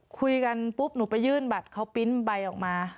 คุยกันปุ๊บหนูไปยื่นบัตรเขาปริ้นต์ใบออกมา